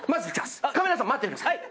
カメラさん待っててください。